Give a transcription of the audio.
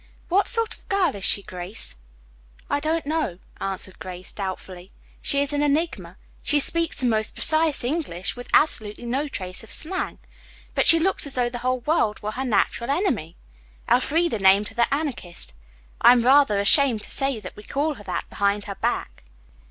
"What sort of girl is she, Grace?" "I don't know," answered Grace doubtfully. "She is an enigma. She speaks the most precise English, with absolutely no trace of slang. But she looks as though the whole world were her natural enemy. Elfreda named her the Anarchist. I am rather ashamed to say we call her that behind her back."